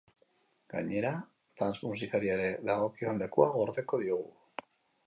Gainera, dance musikari ere dagokion lekua gordeko diogu.